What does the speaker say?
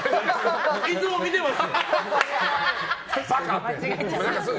いつも見てます！